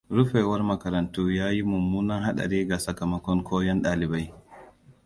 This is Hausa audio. Rufewar makarantu yayi mummunan hadari ga sakamakon koyon ɗalibai.